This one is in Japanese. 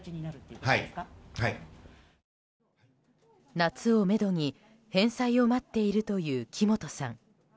夏をめどに返済を待っているという木本さん。